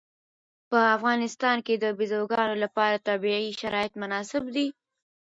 په افغانستان کې د بزګانو لپاره طبیعي شرایط مناسب دي.